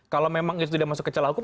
kalau memang itu tidak masuk ke celah hukum